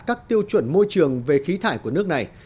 các tiêu chuẩn môi trường về khí thải của nước này